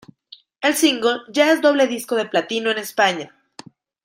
El single ya es Doble Disco de Platino en España.